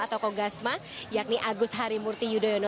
atau kogasma yakni agus harimurti yudhoyono